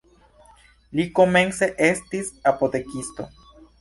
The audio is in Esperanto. Li komence estis apotekisto.